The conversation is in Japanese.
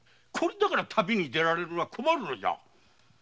これだから旅に出られるのは困るのじゃ！